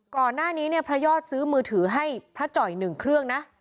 ก่อนหน้านี้เนี่ยพระยอดซื้อมือถือให้พระจ่อย๑เครื่องนะ